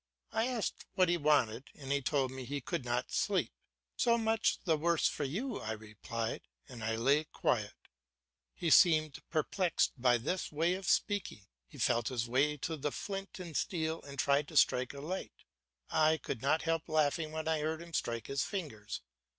I asked what he wanted, and he told me he could not sleep. "So much the worse for you," I replied, and I lay quiet. He seemed perplexed by this way of speaking. He felt his way to the flint and steel and tried to strike a light. I could not help laughing when I heard him strike his fingers.